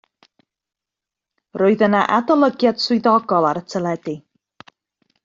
Roedd yna adolygiad swyddogol ar y teledu.